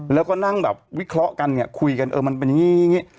แล้วก็นั่งแบบวิเคราะห์กันเนี่ยคุยกันเออมันเป็นอย่างนี้อย่างนี้